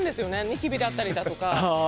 ニキビだったりだとか。